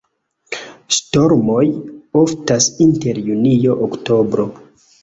Ŝtormoj oftas inter junio-oktobro.